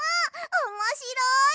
おもしろい！